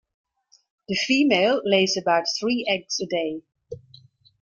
The female lays about three eggs a day.